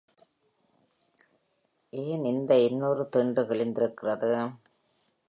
ஏன் அந்த இன்னொரு திண்டு கிழிந்திருக்கிறது?